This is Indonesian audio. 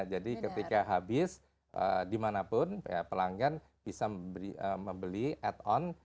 jadi ketika habis dimanapun pelanggan bisa membeli add on